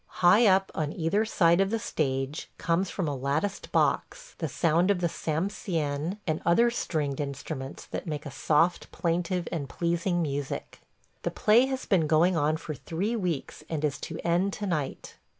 High up on either side of the stage comes from a latticed box the sound of the samsien and other stringed instruments that make a soft, plaintive, and pleasing music. The play has been going on for three weeks and is to end to night.